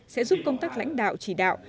sẽ giúp công tác lãnh đạo chỉ đạo